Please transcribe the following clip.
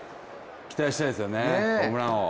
期待したいですよね、ホームランを。